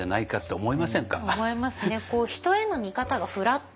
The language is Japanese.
思いますね。